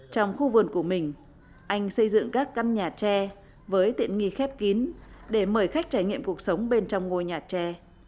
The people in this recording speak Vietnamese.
trong khu vườn của mình anh xây dựng các căn nhà tre với tiện nghi khép kín để mời khách trải nghiệm cuộc sống bên trong ngôi nhà tre